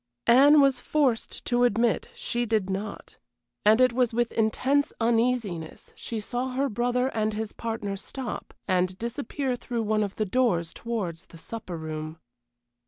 Anne was forced to admit she did not; and it was with intense uneasiness she saw her brother and his partner stop, and disappear through one of the doors towards the supper room.